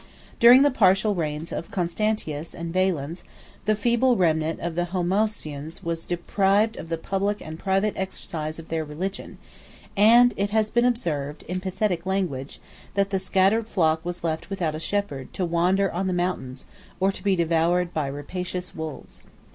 During the partial reigns of Constantius and Valens, the feeble remnant of the Homoousians was deprived of the public and private exercise of their religion; and it has been observed, in pathetic language, that the scattered flock was left without a shepherd to wander on the mountains, or to be devoured by rapacious wolves.